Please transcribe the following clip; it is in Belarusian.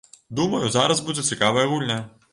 Думаю, зараз будзе цікавая гульня.